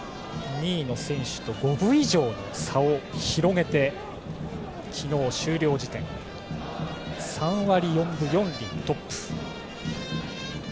２位の選手と５分以上の差を広めて昨日、終了時点３割４分４厘でトップ、頓宮。